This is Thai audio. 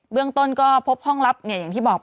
เรื่องต้นก็พบห้องลับอย่างที่บอก